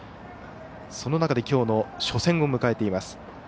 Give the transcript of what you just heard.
その中で今日の初戦を迎えています。